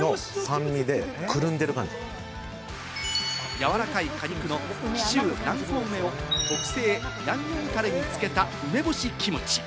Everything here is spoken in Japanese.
やわらかい果肉の紀州南高梅を特製ヤンニョムタレに漬けた梅干しキムチ。